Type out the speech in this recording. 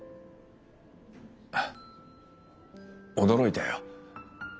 驚いたよ。